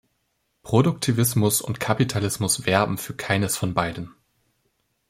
Produktivismus und Kapitalismus werben für keines von beiden.